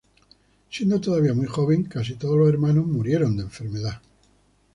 Siendo todavía muy joven, casi todos los hermanos murieron de enfermedad.